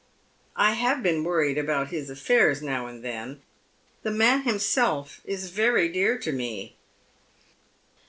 " I have been worried about his affairs now and then. The man himself is very dear to me."